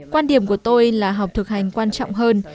quan điểm của tôi là học thực hành quan trọng hơn